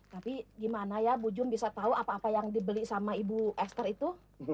tapi gimana ya bu jun bisa tahu apa apa yang dibeli sama ibu esther itu